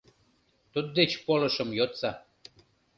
Туддеч полышым йодса...